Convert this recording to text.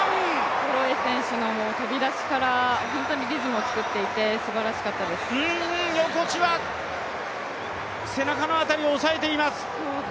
ホロウェイ選手の飛び出しから本当にリズムを作っていて横地は背中の辺りを押さえています。